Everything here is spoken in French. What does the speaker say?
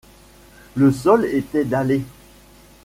Le sol était dallé.